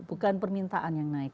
bukan permintaan yang naik